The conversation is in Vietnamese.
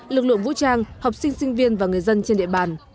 lực lượng vũ trang học sinh sinh viên và người dân trên địa bàn